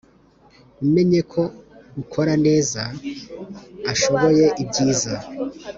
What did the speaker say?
umenye ko ukora neza ashoboye ibyiza